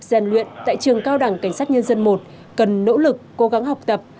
giàn luyện tại trường cao đẳng cảnh sát nhân dân một cần nỗ lực cố gắng học tập